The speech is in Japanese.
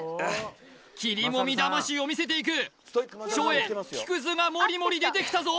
きりもみ魂を見せていく照英木くずがモリモリ出てきたぞ